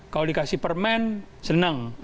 kalau dikasih permen senang